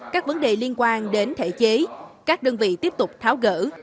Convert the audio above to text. các vấn đề liên quan đến thể chế các đơn vị tiếp tục tháo gỡ